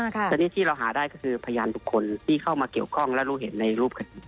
ตอนนี้ที่เราหาได้ก็คือพยานบุคคลที่เข้ามาเกี่ยวข้องและรู้เห็นในรูปคดี